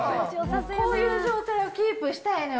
こういう状態をキープしたいのよ。